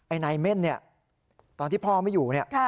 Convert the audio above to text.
นายเม่นเนี่ยตอนที่พ่อไม่อยู่เนี่ย